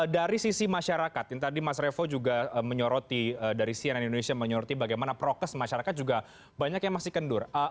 dari sisi masyarakat yang tadi mas revo juga menyoroti dari cnn indonesia menyoroti bagaimana prokes masyarakat juga banyak yang masih kendur